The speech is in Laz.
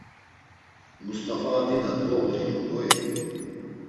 Must̆afa a dida dvoğurinu hoi?